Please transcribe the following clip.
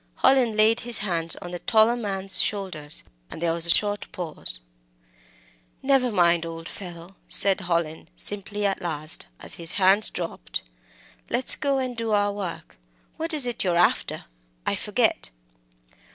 Hallin laid his hands on the taller man's shoulders, and there was a short pause. "Never mind, old fellow," said Hallin, simply, at last, as his hands dropped; "let's go and do our work. What is it you're after? I forget."